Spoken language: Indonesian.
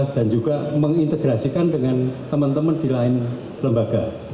dan juga mengintegrasikan dengan teman teman di lain lembaga